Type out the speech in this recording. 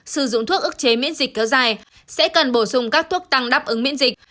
sử dụng thuốc ức chế miễn dịch kéo dài sẽ cần bổ sung các thuốc tăng đáp ứng miễn dịch